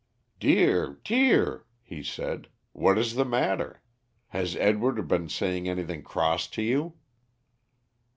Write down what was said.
"Dear, dear!" he said; "what is the matter? Has Edward been saying anything cross to you?"